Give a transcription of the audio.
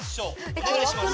お願いします